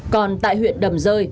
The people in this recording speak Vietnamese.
còn tại huyện đầm rơi